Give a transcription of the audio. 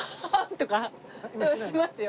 でもしますよ。